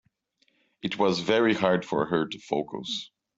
It was very hard for her to focus.